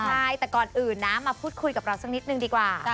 ใช่แต่ก่อนอื่นนะมาพูดคุยกับเราสักนิดนึงดีกว่า